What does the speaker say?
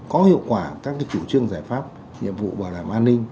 có hiệu quả các chủ trương giải pháp nhiệm vụ bảo đảm an ninh